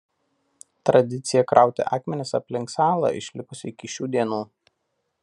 Tradicija krauti akmenis aplink salą išlikusi iki šių dienų.